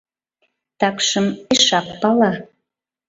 Такшым пешак пала.